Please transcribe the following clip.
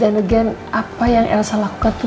dan again apa yang elsa lakukan itu